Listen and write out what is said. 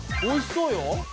おいしそうよ。